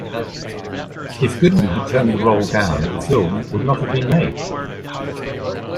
If Goodman had turned the role down, the film would not have been made.